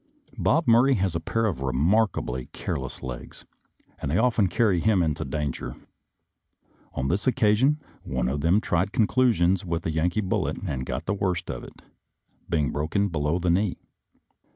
Bob Murray has a pair of remarkably careless legs, and they often carry him into danger. On this occasion one of them tried conclusions with a Yankee bullet and got the worst of it, being broken below the knee.